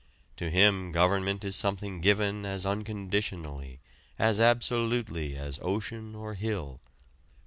To him government is something given as unconditionally, as absolutely as ocean or hill.